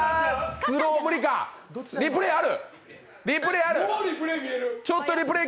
リプレーある？